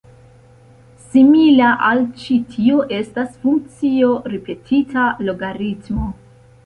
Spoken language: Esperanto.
Simila al ĉi tio estas funkcio ripetita logaritmo.